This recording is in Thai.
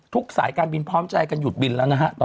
สายการบินพร้อมใจกันหยุดบินแล้วนะฮะ